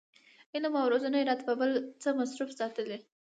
علم او روزنه یې راته په بل څه مصروف ساتلي.